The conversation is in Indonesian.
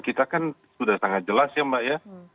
kita kan sudah sangat jelas ya mbak ya